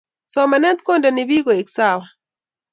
Somanet kundeni piik koek sawa